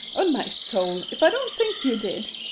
On my soul, if I don't think you did!